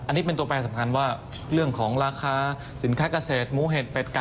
อันนี้เป็นตัวแปรสำคัญว่าเรื่องของราคาสินค้าเกษตรหมูเห็ดเป็ดกะ